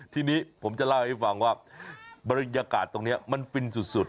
ทีนี้ผมจะเล่าให้ฟังว่าบรรยากาศตรงนี้มันฟินสุด